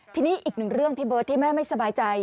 ทีนี้อีกหนึ่งเรื่องพี่เบิร์ตที่แม่ไม่สบายใจ